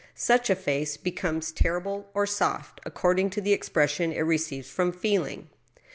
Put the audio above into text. Such a face becomes terrible or soft according to the expression it receives from feeling.